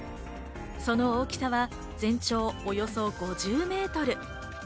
その大きさは全長およそ５０メートル。